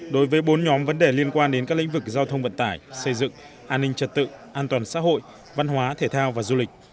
đối với bốn nhóm vấn đề liên quan đến các lĩnh vực giao thông vận tải xây dựng an ninh trật tự an toàn xã hội văn hóa thể thao và du lịch